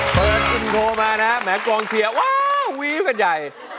เปิดอินโทรมานะฮะแม้กองเชียร์ว้าววีฟกันใหญ่